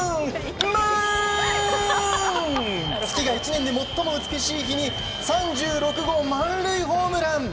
月が１年で最も美しい日に３６号満塁ホームラン！